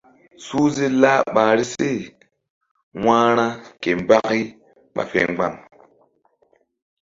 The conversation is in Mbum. Suhze lah ɓahri se wa̧hra ke mbaki ɓa fe mgba̧m.